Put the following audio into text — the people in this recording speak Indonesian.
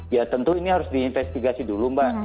ya tentu ini harus diinvestigasi dulu mbak